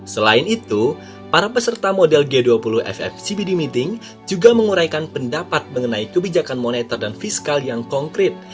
selain itu para peserta model g dua puluh ffcbd meeting juga menguraikan pendapat mengenai kebijakan moneter dan fiskal yang konkret